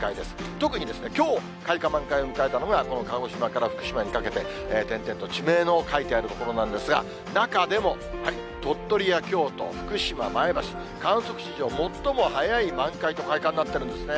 特に、きょう開花、満開を迎えたのがこの鹿児島から福島にかけて、点々と地名の書いてある所なんですが、中でも、鳥取や京都、福島、前橋、観測史上最も早い満開と開花になってるんですね。